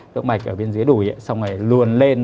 tốc mạch ở bên dưới đùi xong rồi luồn lên